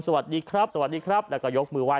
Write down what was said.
สวัสดีครับสวัสดีครับแล้วก็ยกมือไห้